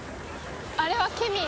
あれはケミー。